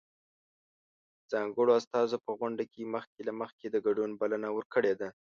ځانګړو استازو په غونډه کې مخکې له مخکې د ګډون بلنه ورکړې ده.